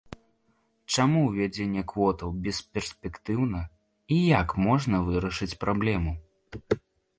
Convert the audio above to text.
Чаму ўвядзенне квотаў бесперспектыўна, і як можна вырашыць праблему?